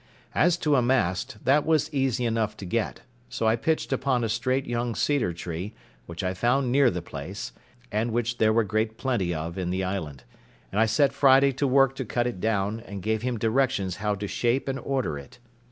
As to a mast, that was easy enough to get; so I pitched upon a straight young cedar tree, which I found near the place, and which there were great plenty of in the island, and I set Friday to work to cut it down, and gave him directions how to shape and order it.